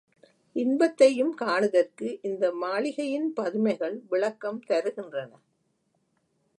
இன்பத்தையும் காணுதற்கு இந்த மாளிகையின் பதுமைகள் விளக்கம் தருகின்றன.